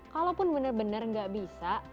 kalaupun benar benar nggak bisa